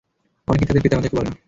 অনেকেই তাদের পিতামাতাকে বলে না।